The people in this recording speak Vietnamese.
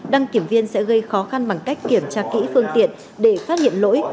đăng kiểm viên sẽ gây khó khăn bằng cách kiểm tra kỹ phương tiện để phát hiện lỗi